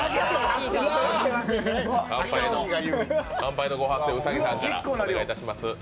乾杯のご発声、兎さんからお願いします。